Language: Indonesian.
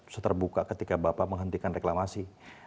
seterbuka ketika bapak menghentikan reklamasi